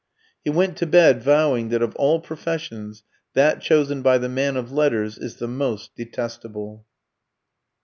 He went to bed vowing that of all professions that chosen by the man of letters is the most detestable.